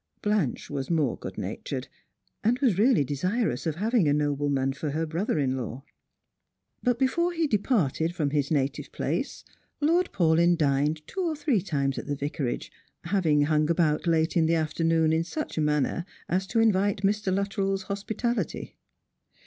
Blanche was more good natured, and was really desirous of having a noble man for her brother in law. But before he departed from his native place Lord Paulyn dined two or three times at the Vicarage, having hung about late in the afternoon in such a manner as to invite Mr. Luttrell's hospitality.